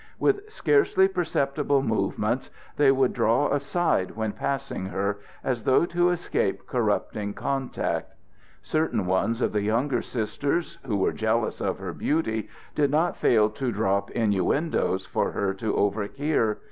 With scarcely perceptible movements they would draw aside when passing her, as though to escape corrupting contact. Certain ones of the younger Sisters, who were jealous of her beauty, did not fail to drop innuendoes for her to overhear.